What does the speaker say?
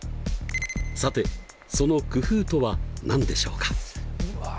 さてその工夫とは何でしょうか？